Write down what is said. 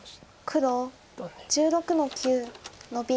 黒１６の九ノビ。